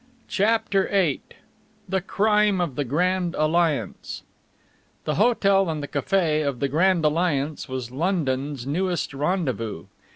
CHAPTER VIII THE CRIME OF THE GRAND ALLIANCE The hotel and the café of the Grand Alliance was London's newest rendezvous.